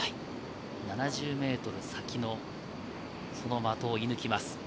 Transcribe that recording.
７０ｍ先の的を射抜きます。